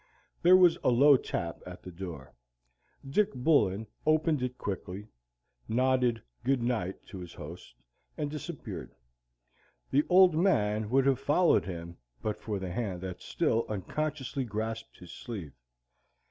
There was a low tap at the door. Dick Bullen opened it quickly, nodded "Good night" to his host, and disappeared. The Old Man would have followed him but for the hand that still unconsciously grasped his sleeve.